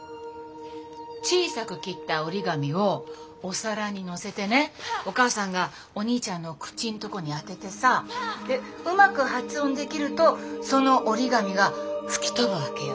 小さく切った折り紙をお皿に載せてねお母さんがお兄ちゃんの口んとこに当ててさうまく発音できるとその折り紙が吹き飛ぶわけよ。